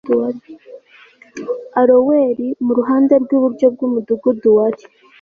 Aroweri mu ruhande rw iburyo bw umudugudu wari